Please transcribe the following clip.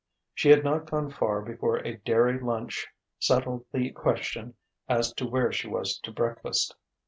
She had not gone far before a dairy lunch settled the question as to where she was to breakfast.